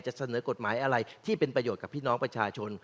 เสนอกฎหมายอะไรที่เป็นประโยชน์กับพี่น้องประชาชน